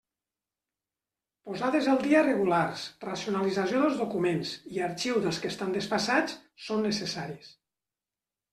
Posades al dia regulars, racionalització dels documents, i arxiu dels que estan desfasats, són necessaris.